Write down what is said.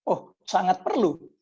oh sangat perlu